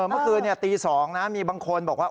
เมื่อคืนตี๒นะมีบางคนบอกว่า